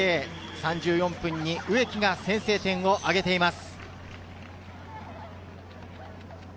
３４分に植木が先制点をあげています。